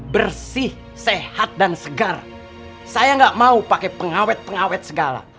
bersih sehat dan segar saya nggak mau pakai pengawet pengawet segala